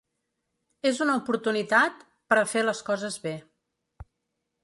És una oportunitat per a fer les coses bé.